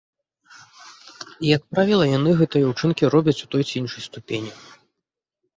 І, як правіла, яны гэтыя ўчынкі робяць, у той ці іншай ступені.